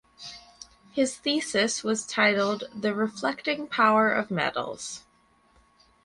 His thesis was titled "The Reflecting Power of Metals".